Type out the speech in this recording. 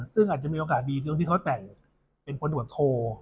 ซึ่งอาจจะมีโอกาสดีที่ต้องที่เขาแต่งเป็นคนหัวโท